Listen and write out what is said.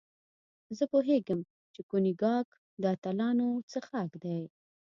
زه پوهېږم چې کونیګاک د اتلانو څښاک دی.